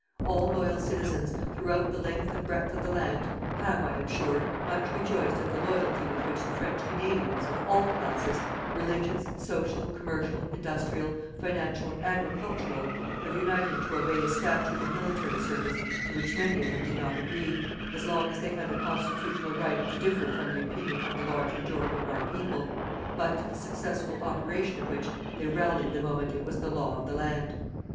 All loyal citizens, throughout the length and breadth of the land, have, I am sure, much rejoiced at the loyalty with which the French Canadians, of all classes, religious, social, commercial, industrial, financial, agricultural, have united to obey a statute of military service to which many of them did not agree, as long as they had the constitutional right to differ from the opinion of the large majority of our people, but to the successful operation of which they rallied the moment it was the law of the land.